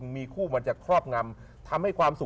มีคู่มันจะครอบงำ